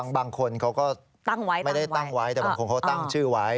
บางคนเขาก็ตั้งไว้ไม่ได้ตั้งไว้แต่บางคนเขาตั้งชื่อไว้